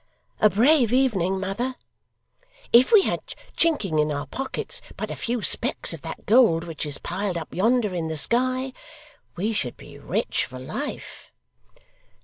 'A brave evening, mother! If we had, chinking in our pockets, but a few specks of that gold which is piled up yonder in the sky, we should be rich for life.